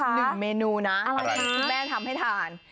มีอีกหนึ่งเมนูนะคุณแม่ทำให้ทาน